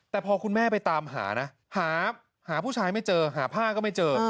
แต่พอคุณแม่ไปตามหานะหาผู้ชายไม่เจอหาผ้าก็ไม่เจอ